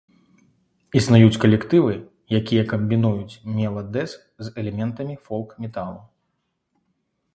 Існуюць калектывы, якія камбінуюць мела-дэз з элементамі фолк-металу.